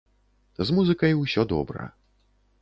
З музыкай усё добра.